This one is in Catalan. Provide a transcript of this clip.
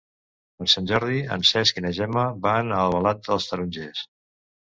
Per Sant Jordi en Cesc i na Gemma van a Albalat dels Tarongers.